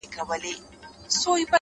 اخلاص عمل ته ارزښت ورکوي!